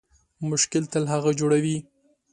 مشکل تل هغه جوړوي